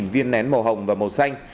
hai viên nén màu hồng và màu xanh